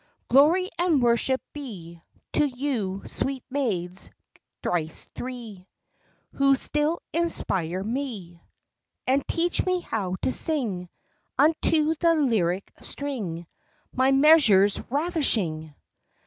Glory and worship be To you, sweet Maids, thrice three, Who still inspire me; And teach me how to sing Unto the lyric string, My measures ravishing!